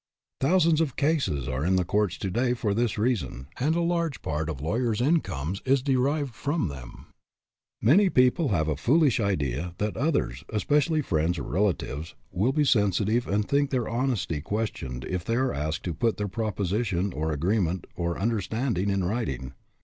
Thousands of cases are in the courts to day for this reason, and a large part of lawyers' incomes is derived from them. HAD MONEY BUT LOST IT 179 Many people have a foolish idea that others, especially friends or relatives, will be sensitive and think their honesty questioned if they are asked to put their proposition, or agreement, or understanding in writing.